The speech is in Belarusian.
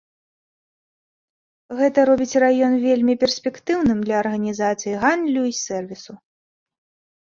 Гэта робіць раён вельмі перспектыўным для арганізацый гандлю і сэрвісу.